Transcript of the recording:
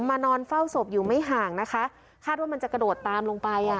นอนเฝ้าศพอยู่ไม่ห่างนะคะคาดว่ามันจะกระโดดตามลงไปอ่ะ